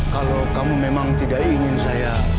kalau kamu memang tidak ingin saya